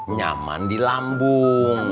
nyaman di lambung